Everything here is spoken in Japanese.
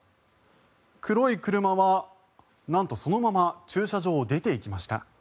黒い車は、なんとそのまま駐車場を出ていきました。